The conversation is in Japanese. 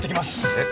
えっ！？